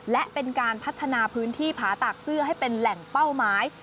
และเป็นการพัฒนาพื้นที่ผาตากเสื้อให้เป็นแหล่งเป้าหมาย